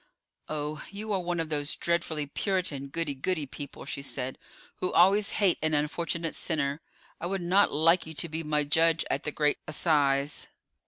"Oh, you are one of those dreadfully Puritan, goody goody people," she said, "who always hate an unfortunate sinner. I would not like you to be my judge at the Great Assize."